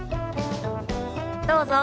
どうぞ。